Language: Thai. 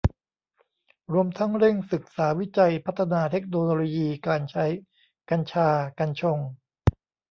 รวมทั้งเร่งศึกษาวิจัยพัฒนาเทคโนโลยีการใช้ กัญชา กัญชง